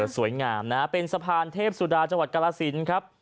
สวยงามนะเป็นสะพานเทพสุดาจังหวัดกรสินครับ